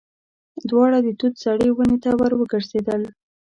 دواړه د توت زړې ونې ته ور وګرځېدل.